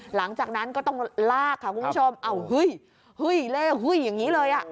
หลังจากนั้นก็ต้องลากค่ะคุณผู้ชมเอาเฮ้ยเล่หุ้ยอย่างนี้เลยอ่ะ